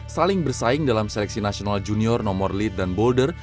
saling bersaing dalam seleksi nasional junior nomor lead dan boulder